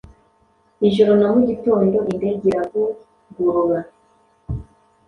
Ijoro na mugitondo indege iravugurura. '